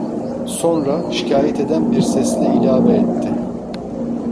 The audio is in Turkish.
Sonra, şikâyet eden bir sesle ilave etti.